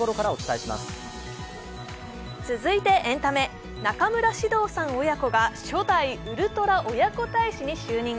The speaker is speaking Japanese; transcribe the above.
続いてエンタメ、中村獅童さん親子が初代ウルトラ親子大使に就任。